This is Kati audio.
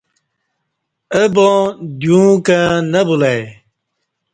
اہ با ں دیو ں کں نہ بُلہ ای